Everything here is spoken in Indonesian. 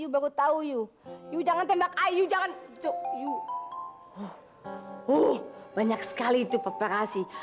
baru tahu you you jangan tembak i you jangan banyak sekali itu preparasi